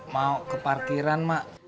mau ke parkiran mak